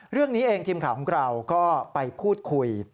เรื่องนี้เองทีมข่าวของเราก็ไปพูดคุย